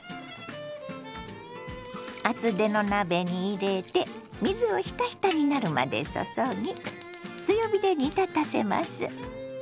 厚手の鍋に入れて水をひたひたになるまで注ぎ強火で煮立たせます。